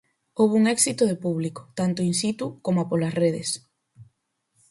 Houbo un éxito de público, tanto in situ coma polas redes.